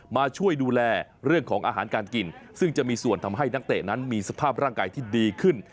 มาช่วยดูแลเรื่องของอาหารการกินซึ่งจะมีส่วนทำให้นักเตะนั้นมีสภาพร่างกายที่ดีขึ้น